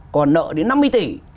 còn nợ đến năm mươi tỷ